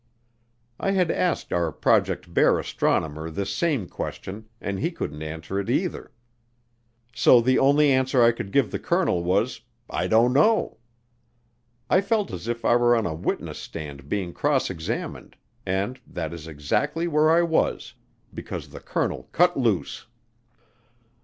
I had asked our Project Bear astronomer this same question, and he couldn't answer it either. So the only answer I could give the colonel was, "I don't know." I felt as if I were on a witness stand being cross examined, and that is exactly where I was, because the colonel cut loose.